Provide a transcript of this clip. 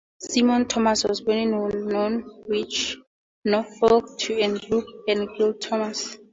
Simon Thomas was born in Norwich, Norfolk to Andrew and Gill Thomas.